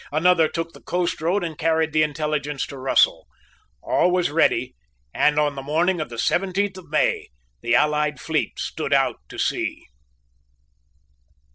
Another took the coast road, and carried the intelligence to Russell. All was ready; and on the morning of the seventeenth of May the allied fleet stood out to sea.